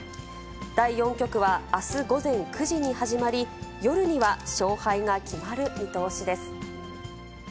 第４局はあす午前９時に始まり、夜には勝敗が決まる見通しです。